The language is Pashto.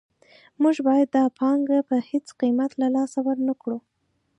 موږ باید دا پانګه په هېڅ قیمت له لاسه ورنکړو